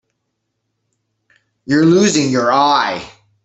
You're losing your eye.